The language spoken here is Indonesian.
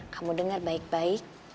kamu denger baik baik